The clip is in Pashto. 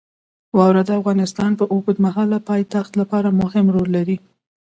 واوره د افغانستان د اوږدمهاله پایښت لپاره مهم رول لري.